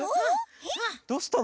どうしたの？